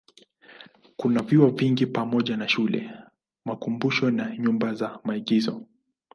Kuna vyuo vingi pamoja na shule, makumbusho na nyumba za maigizo.